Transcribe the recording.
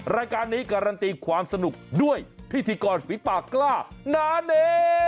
รายการนี้การันตีความสนุกด้วยพิธีกรฝีปากกล้านาเน